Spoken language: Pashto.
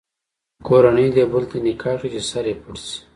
کورنۍ دې بل ته نکاح کړي چې سر یې پټ شي.